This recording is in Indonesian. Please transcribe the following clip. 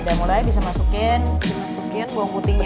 udah mulai bisa masukin bawang putihnya